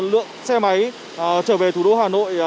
lượng xe máy trở về thủ đô hà nội